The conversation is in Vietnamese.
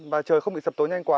và trời không bị sập tối nhanh quá